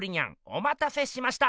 おまたせしました！